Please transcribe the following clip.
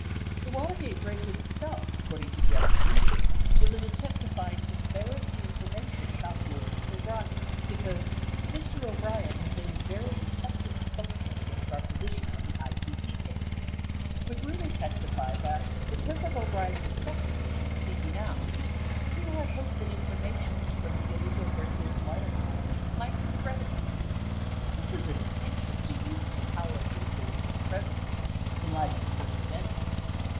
The Watergate break in itself, according to Jeb Magruder, was an attempt to find embarrassing information about Lawrence O'Brien, because "Mr. O'Brien had been a very effective spokesman against our position on the ITT case." 58 Magruder testified that because of O'Brien's effectiveness in speaking out, "we had hope that informa tion (from the illegal break in and wiretap) might discredit him." 59 This is an interesting use of the power and influence of the Presidency, in light of the first amendment.